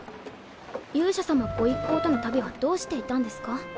勇者様ご一行との旅はどうしていたんですか？